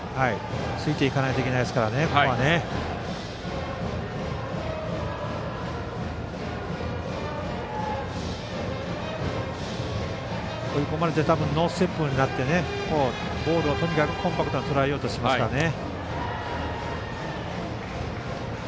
ついていかないといけないですから、ここは。追い込まれたのでノーステップになってボールをとにかくコンパクトにとらえようとしてますね。